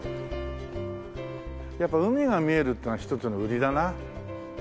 やっぱ海が見えるってのは一つの売りだな。